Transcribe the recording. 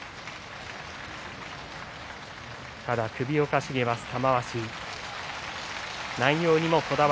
ただ首をかしげます、玉鷲。